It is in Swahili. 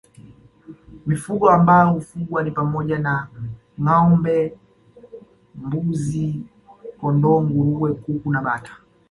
Mifugo ambayo hufugwa ni pamoja na ngâombe mbuzi kondoo nguruwe kuku na bata